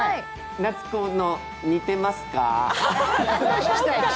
夏子に似てますか？